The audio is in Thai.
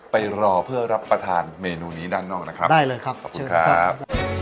ไปรอเพื่อรับประทานเมนูนี้ด้านนอกนะครับได้เลยครับขอบคุณครับ